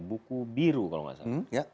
buku biru kalau nggak salah